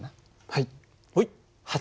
はい。